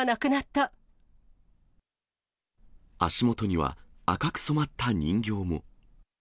足元には、赤く染まった人形も。